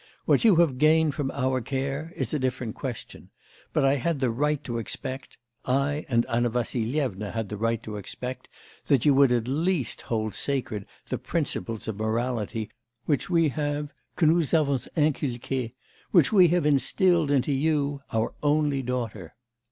What you have gained from our care is a different question; but I had the right to expect I and Anna Vassilyevna had the right to expect that you would at least hold sacred the principles of morality which we have que nous avons inculqués, which we have instilled into you, our only daughter.